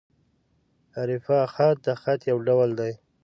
رِقاع خط؛ د خط یو ډول دﺉ.